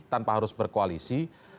tanpa harus berkoalisi